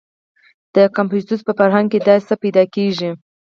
• د کنفوسیوس په فرهنګ کې داسې څه پیدا کېږي.